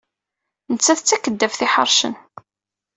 Nettat d takeddabt iḥeṛcen.